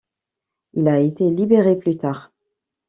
Il a été libéré plus tard.